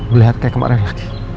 gue liat kayak kemarin lagi